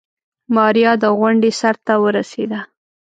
ماريا د غونډۍ سر ته ورسېده.